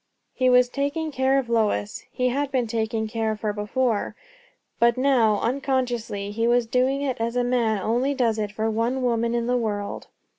He was taking care of Lois; he had been taking care of her before; but now, unconsciously, he was doing it as a man only does it for one woman in the world.